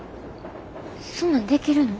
そんなんできるの？